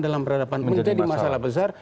dalam peradaban menjadi masalah besar